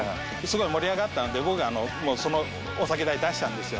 すごい盛り上がったので僕がそのお酒代出したんですよ。